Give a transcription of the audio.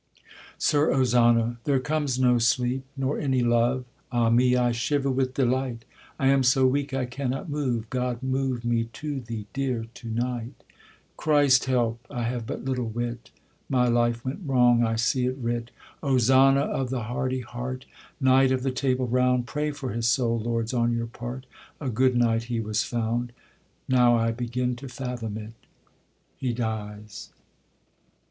SIR OZANA. There comes no sleep nor any love; Ah me! I shiver with delight. I am so weak I cannot move; God move me to thee, dear, to night! Christ help! I have but little wit: My life went wrong; I see it writ, 'Ozana of the hardy heart, Knight of the Table Round, Pray for his soul, lords, on your part; A good knight he was found.' Now I begin to fathom it. [_He dies.